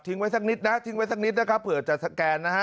ทิ้งไว้สักนิดนะครับเผื่อจะสแกนนะฮะ